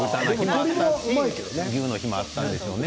牛の日もあったでしょうね。